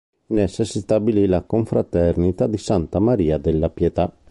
In essa si stabilì la confraternita di Santa Maria della Pietà.